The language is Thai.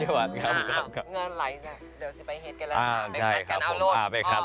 หิมบุญกันเลยนะคะคุณเปาโอ้นะคะคุณเปาอิ่มบุญมากเลยครับ